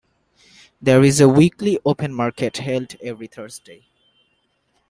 There is a weekly open market held every Thursday.